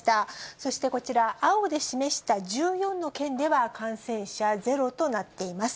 そしてこちら、青で示した１４の県では感染者ゼロとなっています。